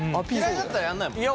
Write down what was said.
嫌いだったらやんないもんね。